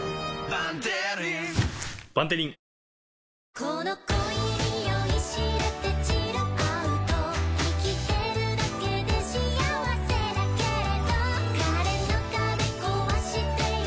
この恋に酔い痴れてチルアウト生きてるだけで幸せだけれど彼の壁壊してよ